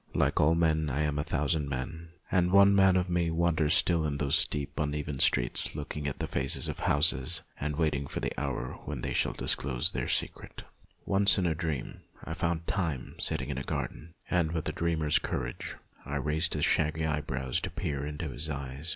Like all men, I am a thousand men, and one man of me wanders still in those steep, uneven streets, looking at the faces of the houses, and waiting for the hour when they shall disclose their secret. Once in a dream I found Time sitting in a garden, and with a dreamer's courage I raised his shaggy eyebrows to peer into his eyes.